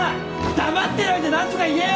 黙ってないで何とか言えよ！